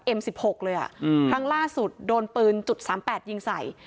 เอ็มสิบหกเลยอ่ะอืมครั้งล่าสุดโดนปืนจุดสามแปดยิงใส่